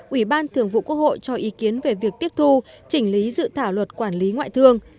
ủy ban thường vụ quốc hội cho ý kiến về việc tiếp thu chỉnh lý dự thảo luật quản lý ngoại thương